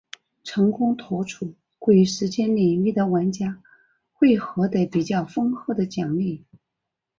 成功脱出鬼时间领域的玩家会获得比较丰厚的奖励。